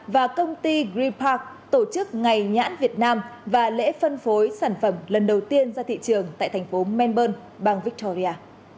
và công ty green park tổ chức ngày nhãn việt nam và lễ phân phối sản phẩm lần đầu tiên ra thị trường tại thành phố melbourne bang victoria